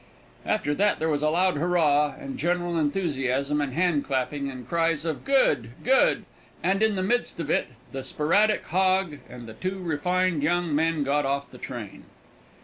After that there was a loud hurrah, and general enthusiasm and hand clapping, and cries of "Good!" "Good!" and in the midst of it the sporadic hog and the two refined young men got off the train.